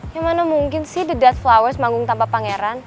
ya mana mungkin sih the deathflowers manggung tanpa pangeran